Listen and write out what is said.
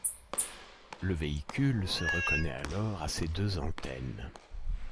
Le véhicule se reconnait alors à ses deux antennes.